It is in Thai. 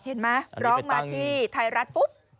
เห็นไหมร้องมาที่ไทยรัฐปุ๊บ